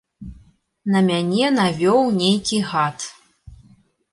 На мяне навёў нейкі гад.